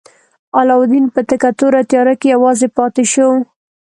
علاوالدین په تکه توره تیاره کې یوازې پاتې شو.